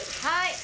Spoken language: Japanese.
はい。